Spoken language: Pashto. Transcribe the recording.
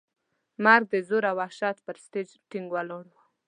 مرګ د زور او وحشت پر سټېج ټینګ ولاړ و.